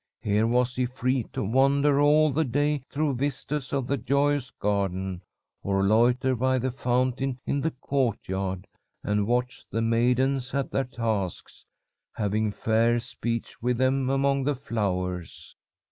Here was he free to wander all the day through vistas of the joyous garden, or loiter by the fountain in the courtyard and watch the maidens at their tasks, having fair speech with them among the flowers.